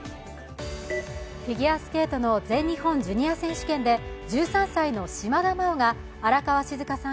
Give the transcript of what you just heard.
フィギュアスケートの全日本ジュニア選手権で１３歳の島田麻央が荒川静香さん